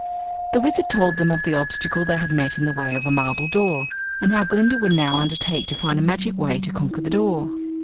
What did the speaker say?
The Wizard told them of the obstacle they had met in the way of a marble door, and how Glinda would now undertake to find a magic way to conquer the door.